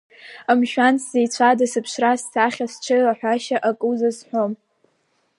Мшәан, сзеицәада сыԥшра, ссахьа, сҽеилаҳәашьа акы узазҳәома?!